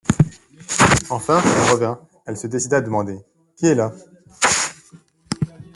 Enfin, elle revint, elle se décida à demander: — Qui est là?